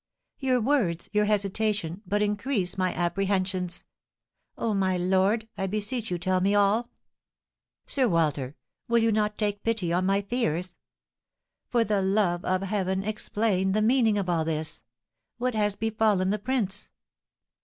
"Your words, your hesitation, but increase my apprehensions. Oh, my lord, I beseech you tell me all! Sir Walter, will you not take pity on my fears? For the love of heaven explain the meaning of all this! What has befallen the prince?"